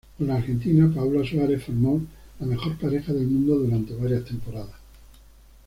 Con la argentina Paola Suárez formó la mejor pareja del mundo durante varias temporadas.